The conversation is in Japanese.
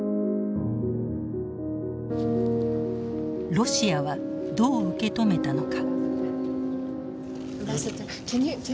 ロシアはどう受け止めたのか。